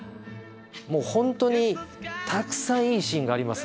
もうホントにたくさんいいシーンがあります。